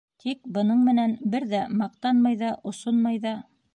Тик бының менән бер ҙә маҡтанмай ҙа, осонмай ҙа.